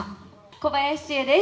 小林千絵です。